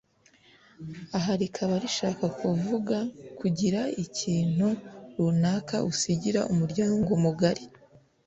aha rikaba rishaka kuvuga kugira ikintu runaka usigira umuryango mugari